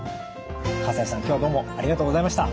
西さん今日はどうもありがとうございました。